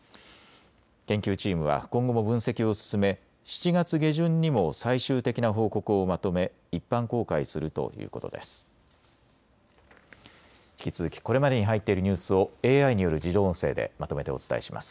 研究チームは今後も分析を進め７月下旬にも最終的な報告をまとめ、一般公開するということです。